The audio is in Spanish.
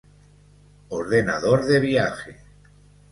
Ordenador de viaje.